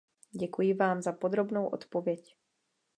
Děkuji vám za podrobnou odpověď.